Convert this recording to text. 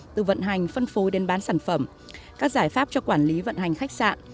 từ vận hành phân phối đến bán sản phẩm các giải pháp cho quản lý vận hành khách sạn